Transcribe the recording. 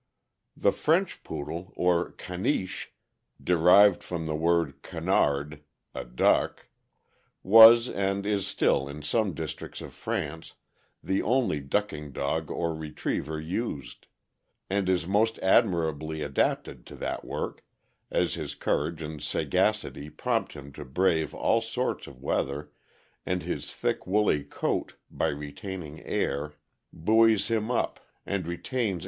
The French Poodle, or "Caniche" (derived from the word canard— a duck), was, and is still in some districts of France, the only ducking dog or retriever used, and is most admirably adapted to that work, as his courage and sagacity prompt him to brave all sorts of weather, and his thick, woolly coat, by retaining air, buoys him up and re tains THE POODLE.